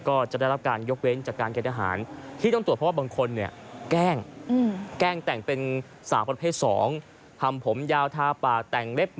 ก็จะได้รับการยกเว้นจากการแกนอาหาร